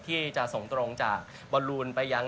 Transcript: ที่จะส่งตรงจากบอลลูนไปยัง